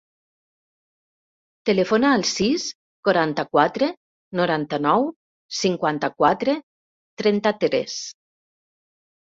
Telefona al sis, quaranta-quatre, noranta-nou, cinquanta-quatre, trenta-tres.